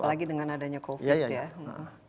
apalagi dengan adanya covid ya